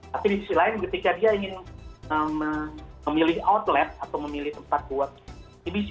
tapi di sisi lain ketika dia ingin memilih outlet atau memilih tempat buat tbc